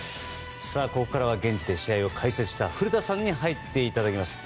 ここからは現地で試合を解説した古田さんに入っていただきます。